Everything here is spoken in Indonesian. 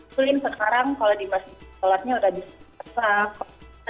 selain sekarang kalau di masjid sekolahnya udah disesat